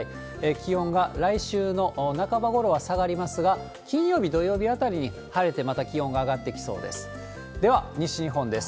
気温が来週の半ばごろは下がりますが、金曜日、土曜日あたりに晴れてまた気温が上がってきそうです。